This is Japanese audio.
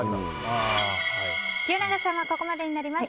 清永さんはここまでになります。